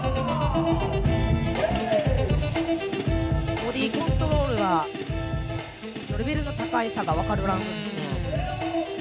ボディーコントロールがレベルの高さが分かるラウンドですね。